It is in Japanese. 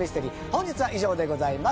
本日は以上でございます。